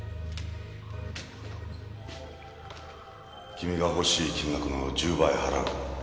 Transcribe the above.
君が欲しい金額の１０倍払う。